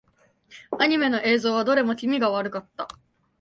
アニメの映像はどれも気味が悪かった。